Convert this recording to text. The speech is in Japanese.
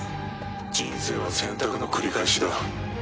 人生は選択の繰り返しだ。